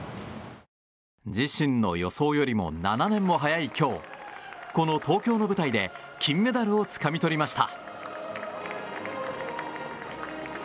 自身の予想よりも７年も早い今日この東京の舞台で金メダルをつかみ取りました。